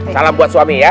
salam buat suami ya